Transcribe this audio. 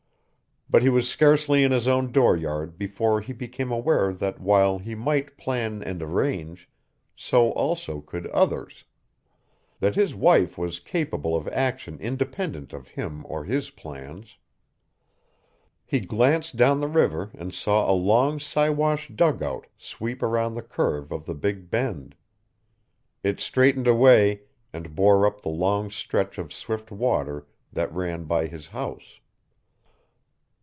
But he was scarcely in his own dooryard before he became aware that while he might plan and arrange, so also could others; that his wife was capable of action independent of him or his plans. He glanced down the river and saw a long Siwash dugout sweep around the curve of the Big Bend. It straightened away and bore up the long stretch of swift water that ran by his house.